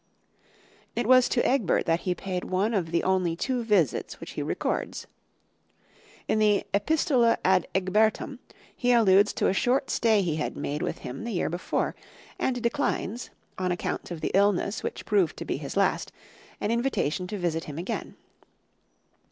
It was to Egbert that he paid one of the only two visits which he records. In the "Epistola ad Ecgbertum" he alludes to a short stay he had made with him the year before, and declines, on account of the illness which proved to be his last, an invitation to visit him again.